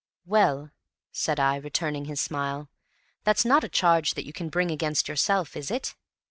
"Well," said I, returning his smile, "that's not a charge that you can bring against yourself, is it?"